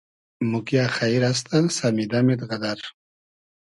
موگیۂ خݷر استۂ ؟ سئمیدئمید غئدئر